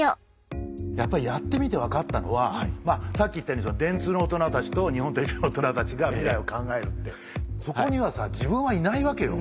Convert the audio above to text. やっぱりやってみて分かったのはさっき言ったように電通の大人たちと日本テレビの大人たちが未来を考えるってそこにはさ自分はいないわけよ。